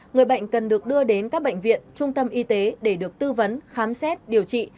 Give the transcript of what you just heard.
người bệnh cần được đưa đến các bệnh viện trung tâm y tế để được tư vấn khám xét điều trị